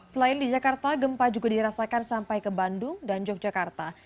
selain di jakarta gempa juga dirasakan sampai ke bandung dan yogyakarta